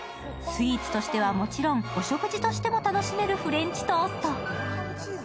スイーツとしてはもちろん、お食事としても楽しめるフレンチトースト。